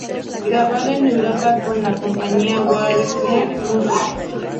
Grabado en Europa con la compañía Warner Music.